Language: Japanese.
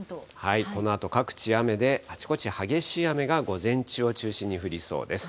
このあと各地雨で、あちこち激しい雨が午前中を中心に降りそうです。